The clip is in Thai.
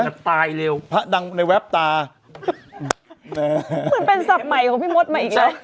นับตายเร็วดังในแว๊บตามันเป็นศัพท์ใหม่ของพี่มดมาอีกแล้ว